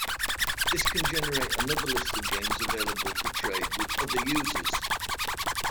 This can generate another list of games available for trade with other users.